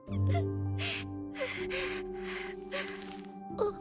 あっ。